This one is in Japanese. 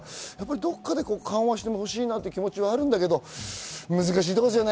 どこかで緩和してほしいなという気持ちはあるんだけれども、難しいところですよね。